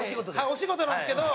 お仕事なんですけど。